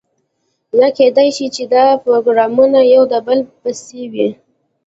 یا کیدای شي چې دا پروګرامونه یو د بل پسې وي.